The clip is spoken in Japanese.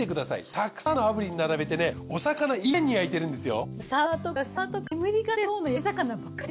たくさんの炙輪並べてねお魚いっぺんに焼いてるんですよ。